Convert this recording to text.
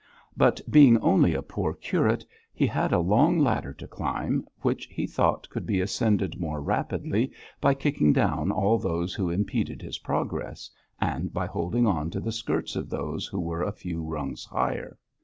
But being only a poor curate, he had a long ladder to climb, which he thought could be ascended more rapidly by kicking down all those who impeded his progress, and by holding on to the skirts of those who were a few rungs higher.